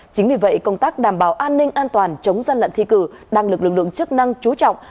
chính vì vậy công tác đảm bảo an ninh an toàn chống gian lận thi cử đang được lực lượng chức năng chú trọng